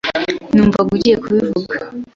Numvaga ugiye kubivuga.